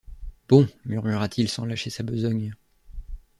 Bon! murmura-t-il, sans lâcher sa besogne.